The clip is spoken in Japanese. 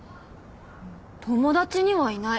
友達にはいない。